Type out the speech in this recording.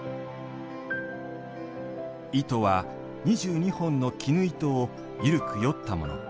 糸は２２本の絹糸をゆるくよったもの。